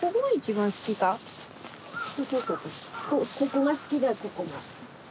ここが好きだここが。